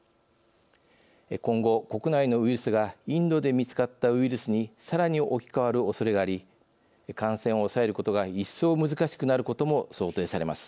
今後国内のウイルスがインドで見つかったウイルスにさらに置き換わるおそれがあり感染を抑えることが一層難しくなることも想定されます。